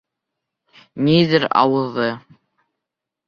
Ниҙер ауҙы.